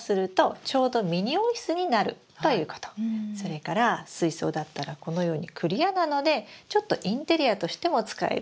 それから水槽だったらこのようにクリアなのでちょっとインテリアとしても使える。